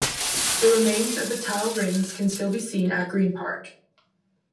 The remains of the tile rings can still be seen at Green Park.